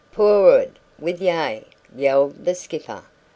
"For'ard with ye!" yelled the skipper.